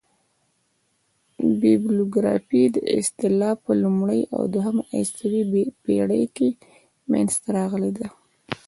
بیبلوګرافي اصطلاح په لومړۍ او دوهمه عیسوي پېړۍ کښي منځ ته راغلې ده.